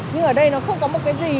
nhưng ở đây nó không có một cái gì